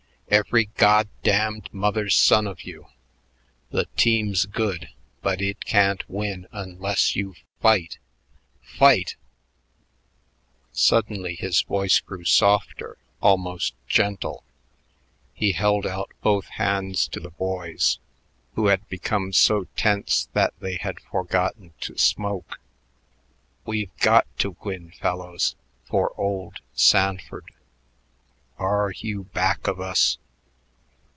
Every goddamned mother's son of you. The team's good, but it can't win unless you fight fight!" Suddenly his voice grew softer, almost gentle. He held out both hands to the boys, who had become so tense that they had forgotten to smoke. "We've got to win, fellows, for old Sanford. Are you back of us?"